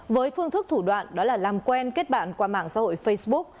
với phương thức thủ đoạn đó là làm quen kết bạn qua mạng xã hội facebook